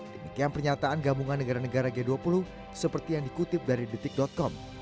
demikian pernyataan gabungan negara negara g dua puluh seperti yang dikutip dari detik com